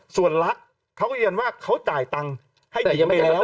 ส่วนลักษณ์เขาก็ยืนยันว่าเขาจ่ายตังค์ให้เด็กไปแล้ว